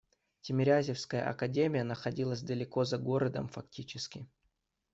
Тимирязевская академия находилась далеко, за городом фактически.